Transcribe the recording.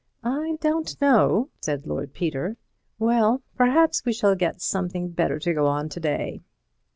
"I don't know," said Lord Peter. "Well, perhaps we shall get something better to go on today."